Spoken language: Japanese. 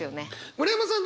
村山さん